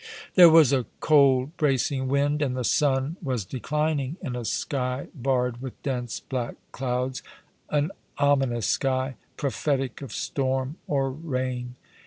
There was a cold bracing wind, and the sun was declining in a sky barred with dense black clouds — an ominous sky, prophetic of storm or rain.